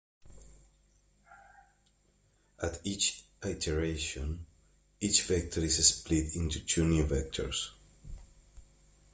At each iteration, each vector is split into two new vectors.